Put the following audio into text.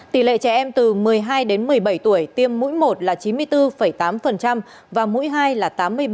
tỷ lệ trẻ em từ một mươi hai đến một mươi bảy tuổi tiêm mũi một là chín mươi bốn tám và mũi hai là tám mươi ba